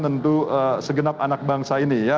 tentu segenap anak bangsa ini ya